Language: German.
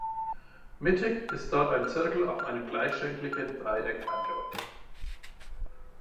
Mittig ist dort ein Zirkel auf einem gleichschenkligen Dreieck angeordnet.